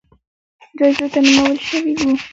جایزو ته نومول شوي وو